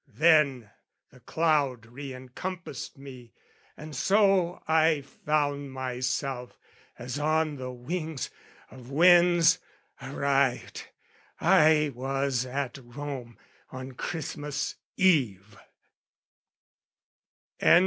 Then the cloud re encompassed me, and so I found myself, as on the wings of winds, Arrived: I was at Rome on Christmas Eve.